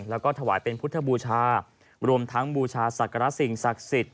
แล้วก็ถวายเป็นพุทธบูชารวมทั้งบูชาศักระสิ่งศักดิ์สิทธิ